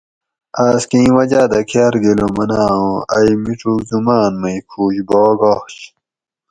آس کہ این وجاۤ دہ کار گلو مناں اوں ائ میڄوک زماۤن مئ کھوش باگ آش